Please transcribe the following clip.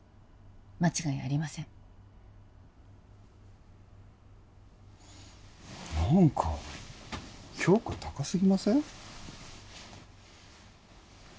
間違いありませんなんか評価高すぎません？